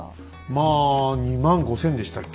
まあ２万５，０００でしたっけ？